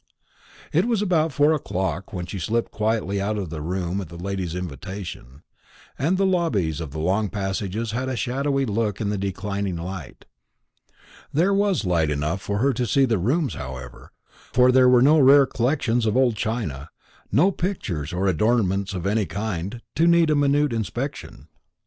It was about four o'clock when she slipped quietly out of the room at that lady's invitation, and the lobbies and long passages had a shadowy look in the declining light. There was light enough for her to see the rooms, however; for there were no rare collections of old china, no pictures or adornments of any kind, to need a minute inspection.